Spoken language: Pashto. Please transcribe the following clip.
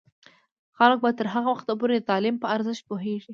خلک به تر هغه وخته پورې د تعلیم په ارزښت پوهیږي.